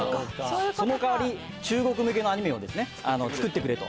そのかわり中国向けのアニメを作ってくれと。